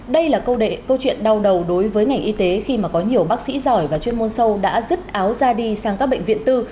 đây là câu đệ câu chuyện đau đầu đối với ngành y tế khi mà có nhiều bác sĩ giỏi và chuyên môn sâu đã rứt áo ra đi sang các bệnh viện tư